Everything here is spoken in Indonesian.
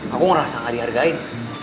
aku ngerasa gak dihargain